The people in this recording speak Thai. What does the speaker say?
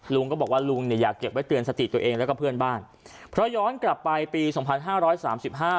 ลุงก็บอกว่าลุงเนี่ยอยากเก็บไว้เตือนสติตัวเองแล้วก็เพื่อนบ้านเพราะย้อนกลับไปปีสองพันห้าร้อยสามสิบห้า